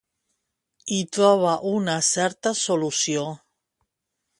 Hi troba una certa solució.